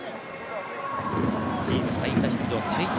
チーム最多出場最多